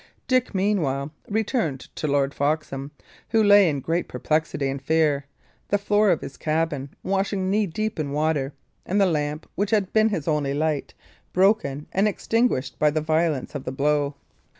Dick, meanwhile, returned to Lord Foxham, who lay in great perplexity and fear, the floor of his cabin washing knee deep in water, and the lamp, which had been his only light, broken and extinguished by the violence of the blow.